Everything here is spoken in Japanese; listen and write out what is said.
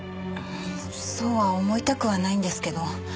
そうは思いたくはないんですけど。